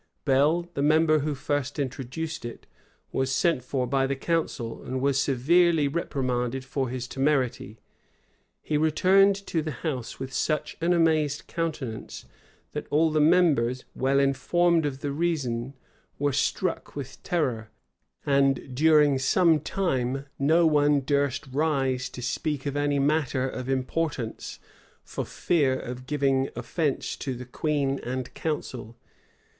Bell, the member who first introduced it, was sent for by the council, and was severely reprimanded for his temerity. He returned to the house with such an amazed countenance, that all the members, well informed of the reason, were struck with terror; and during some time no one durst rise to speak of any matter of importance, for fear of giving offence to the queen and council.